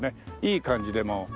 いい感じでもう。